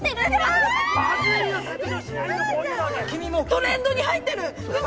トレンドに入ってる！嘘！？